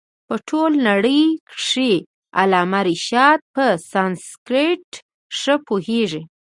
په ټوله نړۍ کښي علامه رشاد په سانسکرېټ ښه پوهيږي.